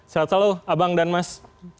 selamat salam abang dan mas